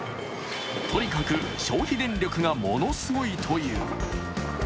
とにかく消費電力がものすごいという。